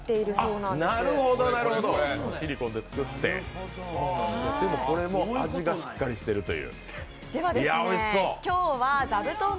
なるほど、シリコンで作ってでも、これも味がしっかりしているという。